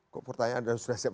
kok pertanyaan dan sudah siap